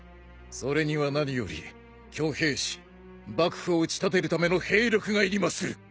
それには何より挙兵し幕府を打ち立てるための兵力がいりまする。